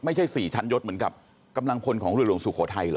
ไม่ใช่๔ชั้นยศเหมือนกับกำลังพลของเรือหลวงสุโขทัยเหรอ